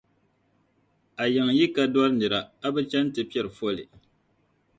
A yiŋa yi ka dɔri nira, a bi chɛn' ti piɛri foli.